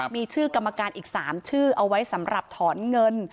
มีชื่อกรรมการอีก๓ชื่อเอาไว้สำหรับถอนเงิน